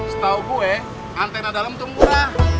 setau gue antena dalem itu murah